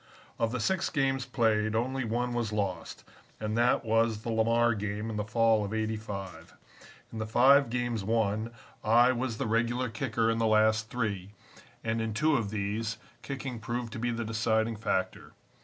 "Of the six games played, only one was lost, and that was the Lamar game in the fall of '85. In the five games won I was the regular kicker in the last three, and, in two of these, kicking proved to be the deciding factor.